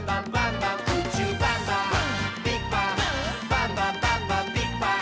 「バンバンバンバンビッグバン！」